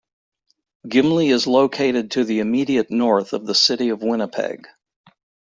Gimli is located to the immediate north of the City of Winnipeg.